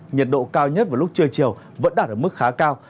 nhiệt độ cao nhất vào lúc trưa chiều vẫn đạt ở mức khá cao